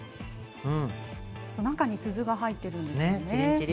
中に鈴が入ってるんですよね。